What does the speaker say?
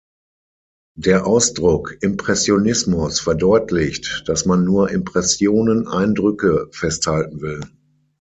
Der Ausdruck „Impressionismus“ verdeutlicht, dass man nur Impressionen, Eindrücke, festhalten will.